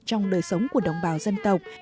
trong đời sống của đồng bào dân tộc